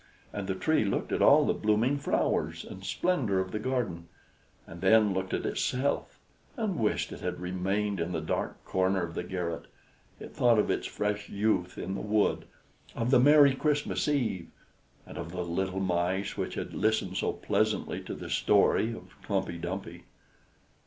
And the Tree looked at all the blooming flowers and the splendor of the garden, and then looked at itself, and wished it had remained in the dark corner of the garret; it thought of its fresh youth in the wood, of the merry Christmas Eve, and of the little Mice which had listened so pleasantly to the story of Klumpey Dumpey.